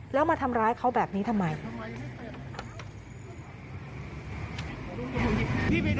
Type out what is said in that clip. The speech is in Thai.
แล้วมาทำร้ายเขาแบบนี้ทำไม